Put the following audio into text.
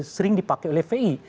sering dipakai oleh fpi